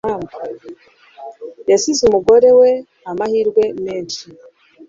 Yasize umugore we amahirwe menshi.